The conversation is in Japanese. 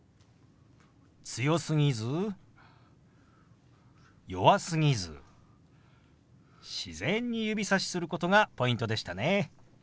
強すぎず弱すぎず自然に指さしすることがポイントでしたね。